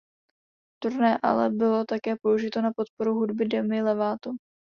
Turné ale bylo také použito na podporu hudby Demi Lovato.